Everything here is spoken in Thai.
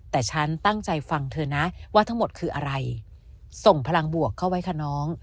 แต่ฉันตั้งใจฟังเธอนะว่าทั้งหมดคืออะไรส่งพลังบวกเข้าไว้ค่ะน้อง